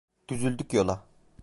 Düzüldük yola.